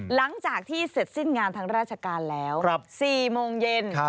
หลังจากที่เสร็จสิ้นงานทางราชการแล้ว๔โมงเย็น